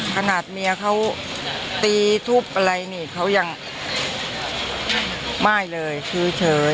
ขนาดเมียเขาตีทุบอะไรนี่เขายังไม่เลยคือเฉย